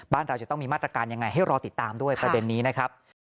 เราจะต้องมีมาตรการยังไงให้รอติดตามด้วยประเด็นนี้นะครับ